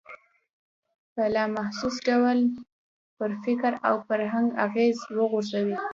په لا محسوس ډول پر فکر او فرهنګ اغېز وغورځوي.